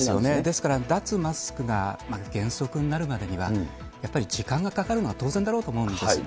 ですから脱マスクが原則になるまでには、やっぱり時間がかかるのは当然だろうと思うんです。